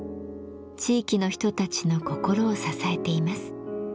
地域の人たちの心を支えています。